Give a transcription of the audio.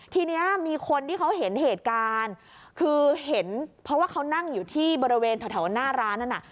ทีนี้มีคนที่เขาเห็นเหตุการณ์คือเห็นเพราะว่าเขานั่งอยู่ที่บริเวณแถวหน้าร้านนั้นน่ะ